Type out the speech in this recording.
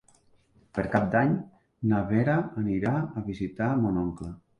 Per Cap d'Any na Vera anirà a visitar mon oncle.